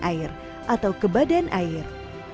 air atau kebadan air